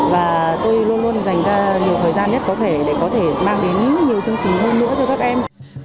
và tôi luôn luôn dành ra nhiều thời gian nhất có thể để có thể mang đến nhiều chương trình hơn nữa cho các em